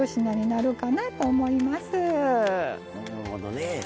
なるほどね。